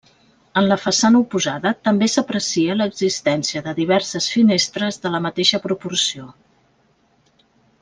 En la façana oposada també s'aprecia l'existència de diverses finestres de la mateixa proporció.